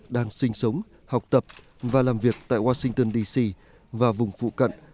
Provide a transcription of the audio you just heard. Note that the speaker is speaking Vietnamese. đang sinh sống học tập và làm việc tại washington d c và vùng phụ cận